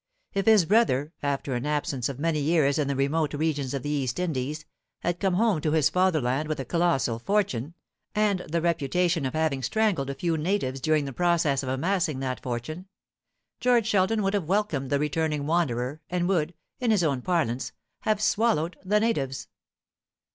If his brother, after an absence of many years in the remote regions of the East Indies, had come home to his fatherland with a colossal fortune, and the reputation of having strangled a few natives during the process of amassing that fortune, George Sheldon would have welcomed the returning wanderer, and would, in his own parlance, have "swallowed the natives."